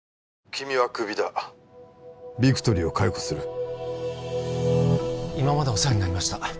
☎君はクビだビクトリーを解雇する今までお世話になりました